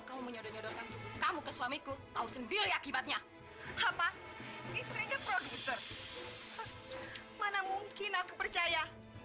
kaumysyumbiver akibatnya wang mau kina kan percaya